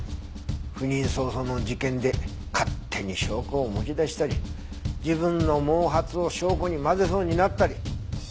赴任早々の事件で勝手に証拠を持ち出したり自分の毛髪を証拠に混ぜそうになったり。